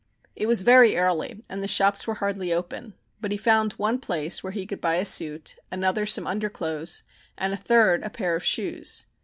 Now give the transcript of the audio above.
It was very early and the shops were hardly open, but he found one place where he could buy a suit, another some underclothes, and a third a pair of shoes.